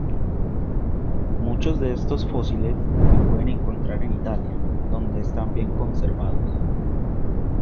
Muchos de estos fósiles se pueden encontrar en Italia, donde están bien conservados.